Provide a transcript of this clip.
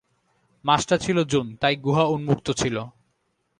মাসটা ছিল জুন তাই গুহা উন্মুক্ত ছিল।